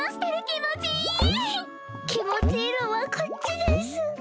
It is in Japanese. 気持ちいいのはこっちです